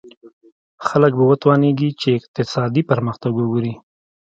خلک به وتوانېږي چې اقتصادي پرمختګ وګوري.